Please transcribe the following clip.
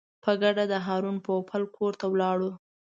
په ګډه د هارون پوپل کور ته ولاړو.